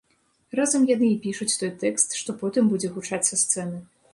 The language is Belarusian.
Разам яны і пішуць той тэкст, што потым будзе гучаць са сцэны.